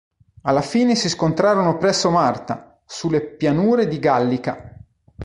Alla fine si scontrarono presso Marta, sulle pianure di Gallica.